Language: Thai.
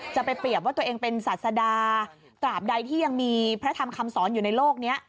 จะไปเปรียบว่าตัวเองเป็นศาสดาตราบใดที่ยังมีพระธรรมคำสอนอยู่ในโลกนี้